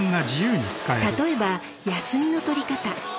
例えば、休みの取り方。